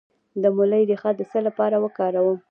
د مولی ریښه د څه لپاره وکاروم؟